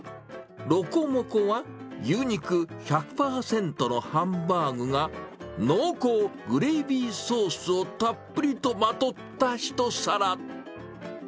ロコモコは、牛肉１００％のハンバーグが、濃厚グレービーソースをたっぷりとまとった一皿。